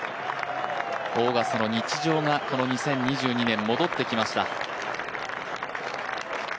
オーガスタの日常がこの２０２２年戻ってきました。